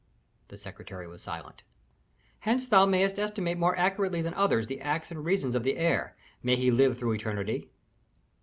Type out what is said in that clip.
The secretary was silent. "Hence thou mayest estimate more accurately than others the acts and reasons of the heir, may he live through eternity!"